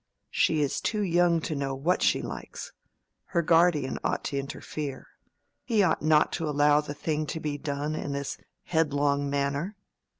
"She is too young to know what she likes. Her guardian ought to interfere. He ought not to allow the thing to be done in this headlong manner.